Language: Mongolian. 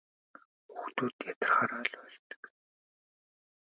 Хүүхдүүд ядрахлаараа уйлдаг.